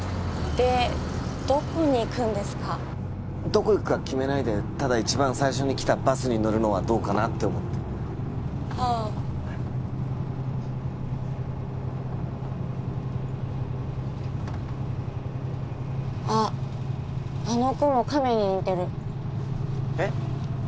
どこ行くか決めないでただ一番最初に来たバスに乗るのはどうかなって思ってはああっあの雲亀に似てるえっ？